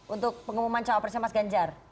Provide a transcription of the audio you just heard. untuk pengumuman cawapresnya mas ganjar